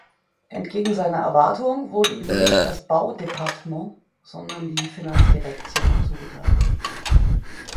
Entgegen seiner Erwartung wurde ihm nicht das Baudepartement, sondern die Finanzdirektion zugeteilt.